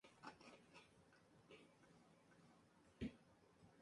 Peep Show".